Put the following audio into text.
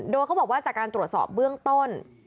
โดยเขาบอกว่าจากการตรวจสอบเบื้องต้น